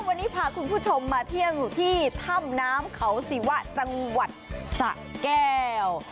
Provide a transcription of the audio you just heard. วันนี้พาคุณผู้ชมมาเที่ยงอยู่ที่ถ้ำน้ำเขาศิวะจังหวัดสะแก้ว